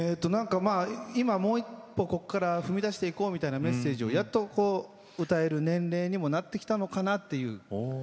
今、もう一歩踏み出していこうみたいなメッセージをやっと歌えるような年齢にもなってきたのかなと。